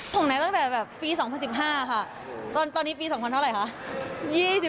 ผมแน็ตตั้งแต่ปี๒๐๑๕ค่ะตอนนี้ปี๒๐๐๐เท่าไหร่คะ๒๒๒๓แล้วป่ะ